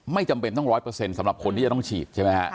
จำเป็นต้อง๑๐๐สำหรับคนที่จะต้องฉีดใช่ไหมฮะ